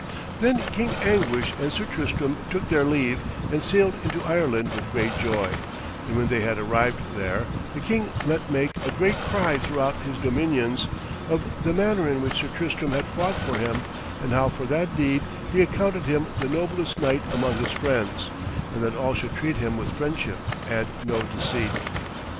Then King Anguish and Sir Tristram took their leave and sailed into Ireland with great joy; and when they had arrived there, the king let make a great cry throughout his dominions, of the manner in which Sir Tristram had fought for him, and how for that deed he accounted him the noblest knight among his friends, and that all should treat him with friendship and no deceit.